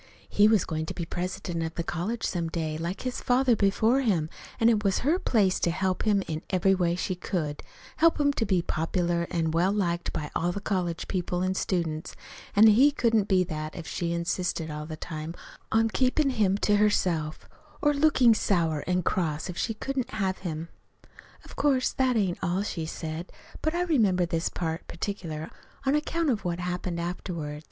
He was going to be president of the college some day, like his father before him; an' it was her place to help him in every way she could help him to be popular an' well liked by all the college people an' students; an' he couldn't be that if she insisted all the time on keepin' him to herself, or lookin' sour an' cross if she couldn't have him. "Of course that ain't all she said; but I remember this part particular on account of what happened afterward.